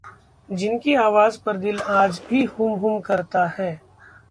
जिनकी आवाज पर दिल आज भी हूम हूम करता है...